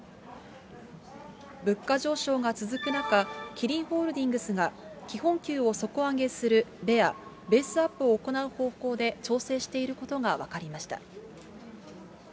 物価上昇が続く中、キリンホールディングスが基本給を底上げするベア・ベースアップを行う方向で調整していることが分かりました。